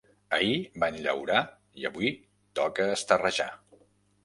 Ahir van llaurar i avui toca esterrejar.